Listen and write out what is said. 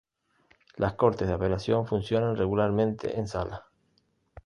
Las Cortes de Apelaciones funcionan regularmente en salas.